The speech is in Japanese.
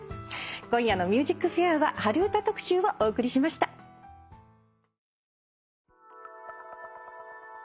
今夜の『ＭＵＳＩＣＦＡＩＲ』は春うた特集をお送りしました。